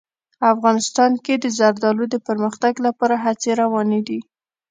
افغانستان کې د زردالو د پرمختګ لپاره هڅې روانې دي.